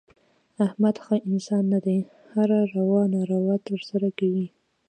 احمد ښه انسان نه دی. هره روا ناروا ترسه کوي.